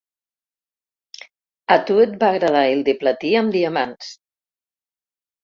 A tu et va agradar el de platí amb diamants.